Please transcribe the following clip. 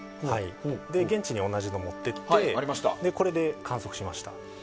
現地に同じのを持っていってこれで観測しました。